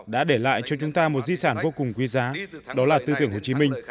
đã để lại cho chúng ta một di sản vô cùng quý giá đó là tư tưởng hồ chí minh